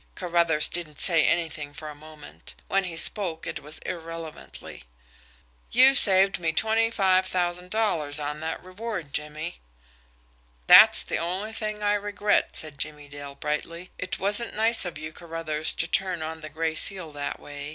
Carruthers didn't say anything for a moment. When he spoke, it was irrelevantly. "You saved me twenty five thousand dollars on that reward, Jimmie." "That's the only thing I regret," said Jimmie Dale brightly. "It wasn't nice of you, Carruthers, to turn on the Gray Seal that way.